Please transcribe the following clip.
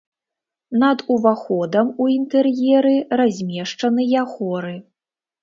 Над уваходам у інтэр'еры размешчаныя хоры.